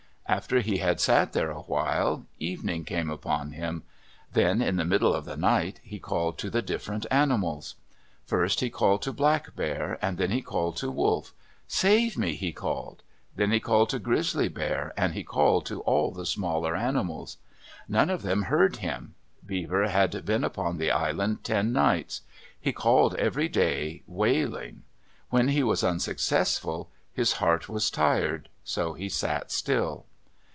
After he had sat there awhile, evening came upon him. Then, in the middle of the night, he called to the different animals. First he called to Black Bear, then he called to Wolf. "Save me!" he called. Then he called to Grizzly Bear, and he called to all the smaller animals. None of them heard him. Beaver had been upon the island ten nights. He called every day, wailing. When he was unsuccessful, his heart was tired. So he sat still.